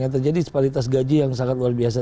yang terjadi separitas gaji yang sangat luar biasa